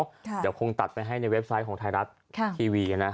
เดี๋ยวคงตัดไปให้ในเว็บไซต์ของไทยรัฐทีวีนะ